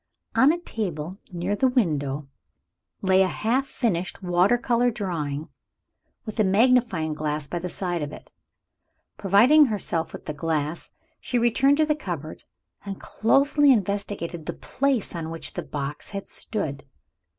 On a table near the window lay a half finished watercolor drawing, with a magnifying glass by the side of it. Providing herself with the glass, she returned to the cupboard, and closely investigated the place on which the box had stood.